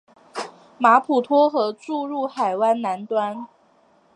马普托河注入海湾南端。